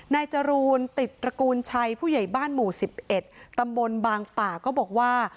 จรูนติดตระกูลชัยผู้ใหญ่บ้านหมู่๑๑ตำบลบางป่าก็บอกว่า